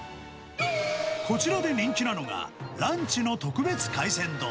こちらで人気なのが、ランチの特別海鮮丼。